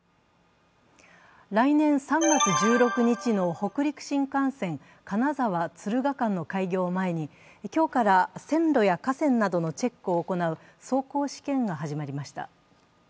来年３月１６日の北陸新幹線金沢・敦賀間の開業を前に今日から、線路や架線などのチェックを行う走行試験が始まりました。